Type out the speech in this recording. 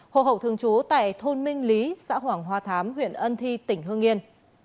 hồ hậu thường trú tại thôn minh lý xã hoàng hoa thám huyện ân thi tỉnh hương yên